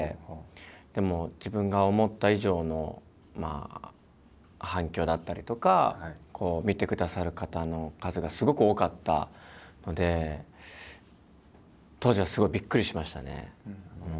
でも自分が思った以上のまあ反響だったりとか見てくださる方の数がすごく多かったので当時はすごいびっくりしましたね。